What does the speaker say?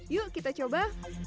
yuk kita coba